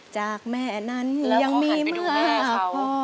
จากแม่นั้นยังมีมากพอ